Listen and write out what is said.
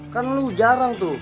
kan lo jarang tuh